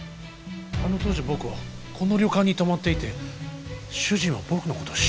あの当時僕はこの旅館に泊まっていて主人は僕のことを知っていた。